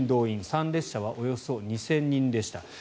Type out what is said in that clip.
参列者はおよそ２０００人でした。